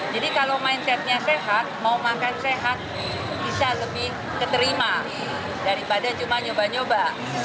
jadi kalau mindset nya sehat mau makan sehat bisa lebih keterima daripada cuma nyoba nyoba